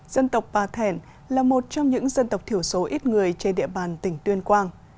dân tộc bà thẻn là một trong những dân tộc thiểu số ít người trên địa bàn tỉnh tuyên quang